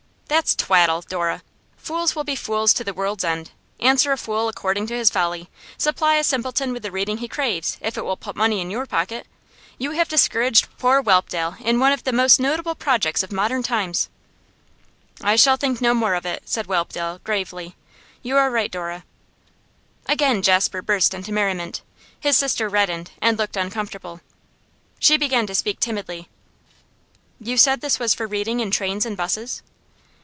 'That's twaddle, Dora. Fools will be fools to the world's end. Answer a fool according to his folly; supply a simpleton with the reading he craves, if it will put money in your pocket. You have discouraged poor Whelpdale in one of the most notable projects of modern times.' 'I shall think no more of it,' said Whelpdale, gravely. 'You are right, Miss Dora.' Again Jasper burst into merriment. His sister reddened, and looked uncomfortable. She began to speak timidly: 'You said this was for reading in trains and 'buses?